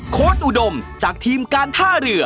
โค้ดอุดมจากทีมการท่าเรือ